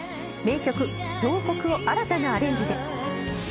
名曲『慟哭』を新たなアレンジで。